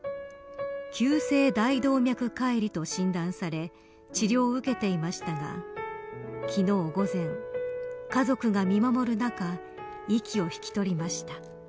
急性大動脈解離と診断され治療を受けていましたが昨日午前、家族が見守る中息を引き取りました。